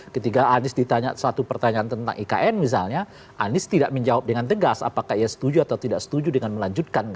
ketika anies ditanya satu pertanyaan tentang ikn misalnya anies tidak menjawab dengan tegas apakah ia setuju atau tidak setuju dengan melanjutkan